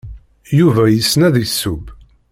Yuba yessen ad yesseww.